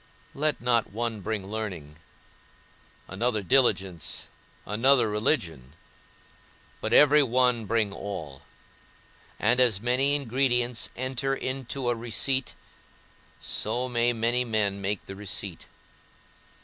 Let not one bring learning, another diligence, another religion, but every one bring all; and as many ingredients enter into a receipt, so may many men make the receipt.